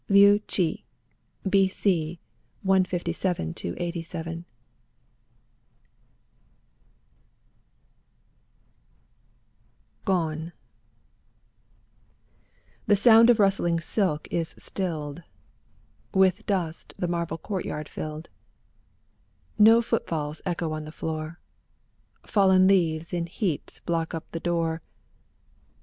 Liu Ch'e, B.C. 156—87!' i8 GONE« The sound of rustling silk is stilled, With dust the marble courtyard filled; No footfalls echo on the floor, Fallen leaves in heaps block up the door....